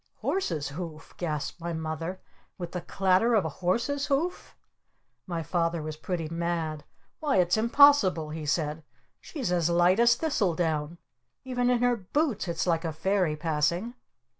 "Horse's Hoof?" gasped my Mother. "With the clatter of a Horse's Hoof?" My Father was pretty mad. "Why, it's impossible!" he said. "She's as light as Thistle Down! Even in her boots it's like a Fairy passing!"